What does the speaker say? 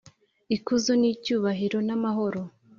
Ikuzo n icyubahiro n amahoro